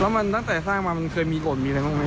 แล้วตั้งแต่สร้างมาคือมีโรลมีอะไรบ้าง